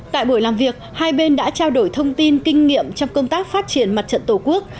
tại buổi làm việc hai bên đã trao đổi thông tin kinh nghiệm trong công tác phát triển mặt trận tổ quốc